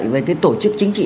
với cái tổ chức chính trị